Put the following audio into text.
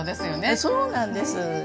あっそうなんです。